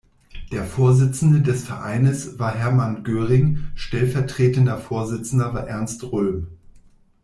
Der Vorsitzende des Vereines war Hermann Göring, stellvertretender Vorsitzender war Ernst Röhm.